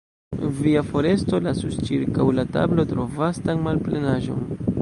Via foresto lasus ĉirkaŭ la tablo tro vastan malplenaĵon.